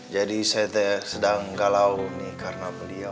jadi saya sedang galau nih karena beliau